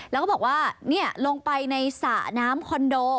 แล้วก็บอกว่าลงไปในสระน้ำคอนโด